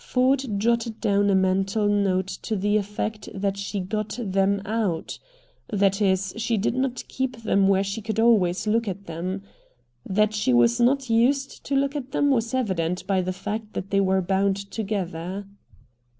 Ford jotted down a mental note to the effect that she "got them out." That is, she did not keep them where she could always look at them. That she was not used to look at them was evident by the fact that they were bound together.